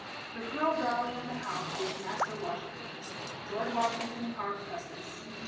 The curled darling of the house was "Master Washington" George Washington Parke Custis.